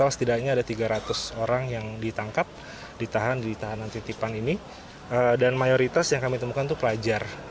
setidaknya ada tiga ratus orang yang ditangkap ditahan di tahanan titipan ini dan mayoritas yang kami temukan itu pelajar